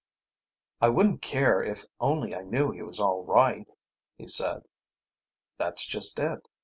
"I wouldn't care if only I knew he was all right," he said. "That's just it.